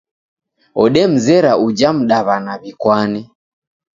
Odemzera uja mdaw'ana w'ikwane